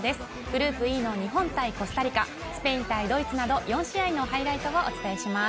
グループＥのコスタリカ対日本スペイン対ドイツなど４試合のハイライトをお送りします。